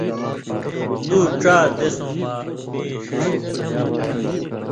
دُو ڇا دیسؤں مہ مِیں ݜِݜ نی دھیاؤ کھیں